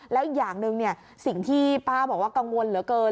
แล้วอีกอย่างหนึ่งสิ่งที่ป้าบอกว่ากังวลเหลือเกิน